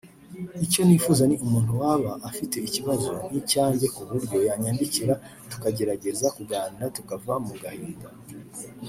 Icyo nifuza ni umuntu waba afite ikibazo nk'icyanjye ku buryo yanyandikira tukagerageza kuganira tukava mu gahinda